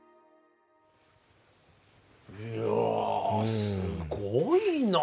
いやぁすごいな。